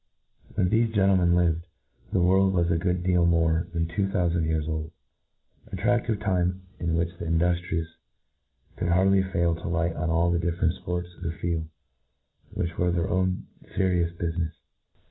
When thefe gentlemen lived, the world was a good deal more than two thoufatid years old j a trad of time in which the induftripus could hard ly fail to light on all the diflferent fports of the field, which were their own ferious bufinefs.